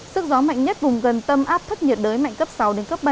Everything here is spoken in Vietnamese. sức gió mạnh nhất vùng gần tâm áp thấp nhiệt đới mạnh cấp sáu đến cấp bảy